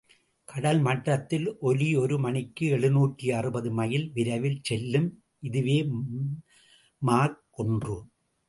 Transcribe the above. கடல்மட்டத்தில் ஒலி ஒரு மணிக்கு எழுநூற்று அறுபது மைல் விரைவில் செல்லும் இதுவே மாக் ஒன்று.